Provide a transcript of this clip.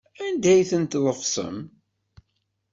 Anda ay ten-tḍefsem?